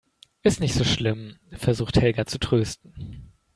Ist nicht so schlimm, versucht Helga zu trösten.